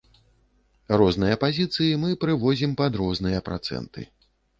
Розныя пазіцыі мы прывозім пад розныя працэнты.